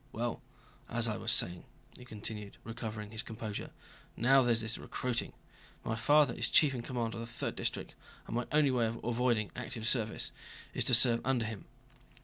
Well, as I was saying," he continued, recovering his composure, "now there's this recruiting. My father is chief in command of the Third District, and my only way of avoiding active service is to serve under him."